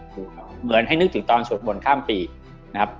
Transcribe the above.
ถูกครับเหมือนให้นึกถึงตอนสวดมนต์ข้ามปีนะครับ